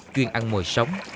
chuyên ăn mồi sống